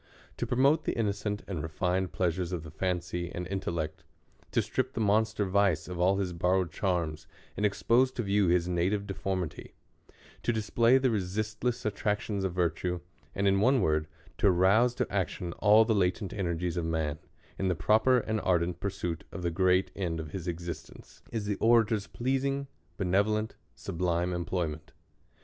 To promote the innocent and rehned pleasures of the fancy and intellect ; to strip the monster vice of all his borrowed charms, and expose to view his native defor mity ; to display the resisdess attractions of virtue ; and, in one word, to rouse to action all the latent ener gies of man, in the proper and ardent pursuit of the great end of his existence, is the orator's pleasing, be nevolent, sublime employment.